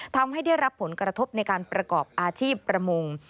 ทำให้ได้รับผลกระทบในการประกอบอาชีพประมง